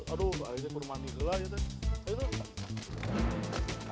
aduh akhirnya kurma nikah teteh